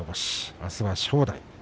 あすは正代です。